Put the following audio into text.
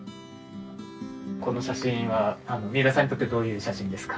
この写真は三浦さんにとってどういう写真ですか？